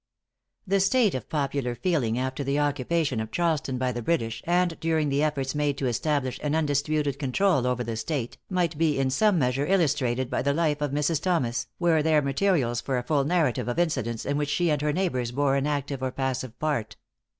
|The state of popular feeling after the occupation of Charleston by the British, and during the efforts made to establish an undisputed control over the State, might be in some measure illustrated by the life of Mrs. Thomas, were there materials for a full narrative of incidents in which she and her neighbors bore an active or passive part.